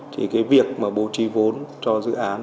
thì cái việc mà bố trí vốn cho dự án